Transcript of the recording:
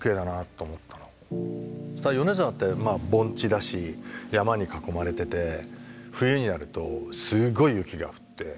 そうしたら米沢ってまあ盆地だし山に囲まれてて冬になるとすごい雪が降って。